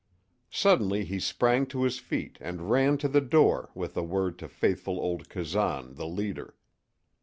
Suddenly he sprang to his feet and ran to the door with a word to faithful old Kazan, the leader.